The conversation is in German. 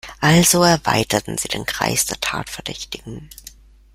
Also erweiterten sie den Kreis der Tatverdächtigen.